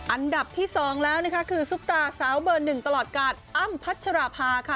อันดับที่๒แล้วนะคะคือซุปตาสาวเบอร์๑ตลอดกาลอ้ำพัชราภาค่ะ